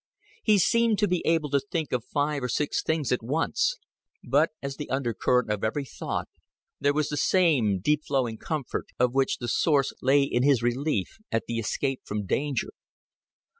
He seemed to be able to think of five or six things at once; but, as the undercurrent of every thought, there was the same deep flowing comfort, of which the source lay in his relief at the escape from danger.